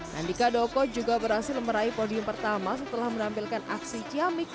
nandika doko juga berhasil meraih podium pertama setelah menampilkan aksi ciamik